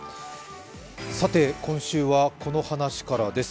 さて今週はこの話からです。